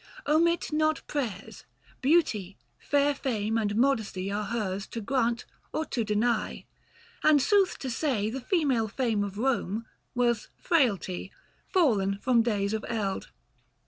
Omit not prayers, Beauty, fair fame, and modesty are hers, To grant or to deny. And sooth to say 170 The female fame of Eome was frailty ; Fallen from days of eld.